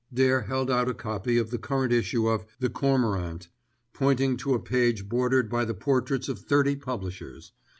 Dare held out a copy of the current issue of The Cormorant, pointing to a page bordered by the portraits of thirty publishers.